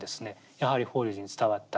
やはり法隆寺に伝わった。